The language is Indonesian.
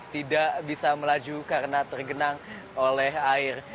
tidak bisa melaju karena tergenang oleh air